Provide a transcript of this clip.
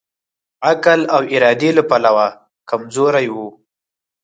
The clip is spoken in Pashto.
عقل او ارادې له پلوه کمزوری وو.